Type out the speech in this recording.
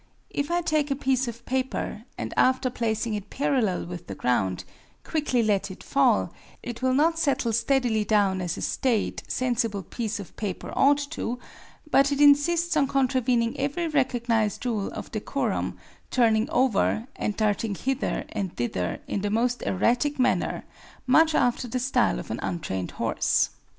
If I take a piece of paper, and after placing it parallel with the ground, quickly let it fall, it will not settle steadily down as a staid, sensible piece of paper ought to do, but it insists on contravening every recognized rule of decorum, turning over and darting hither and thither in the most erratic manner, much after the style of an untrained horse.